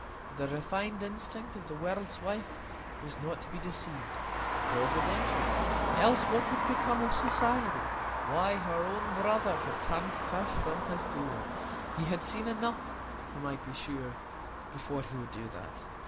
But the refined instinct of the world's wife was not to be deceived; providentially!—else what would become of Society? Why, her own brother had turned her from his door; he had seen enough, you might be sure, before he would do that.